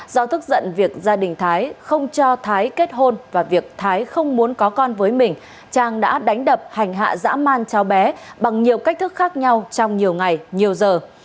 do thức giận việc gia đình thái không cho thái kết hôn và việc thái không muốn có con với mình trang đã đánh đập hành hạ dã man cháu bé bằng nhiều cách thức khác nhau trong nhiều ngày nhiều giờ